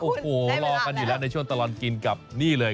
โอ้โหรอกันอยู่แล้วในช่วงตลอดกินกับนี่เลย